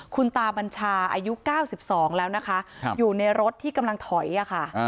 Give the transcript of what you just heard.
คุณตาบัญชาอายุ๙๒แล้วนะคะอยู่ในรถที่กำลังถอยอะค่ะ